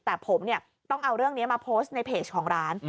แต่ผมต้องเอาเรื่องนี้มาโพสต์ในเพจของร้าน